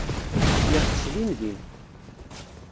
Yeṭṭes din din.